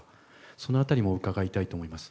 そのあたりも伺いたいと思います。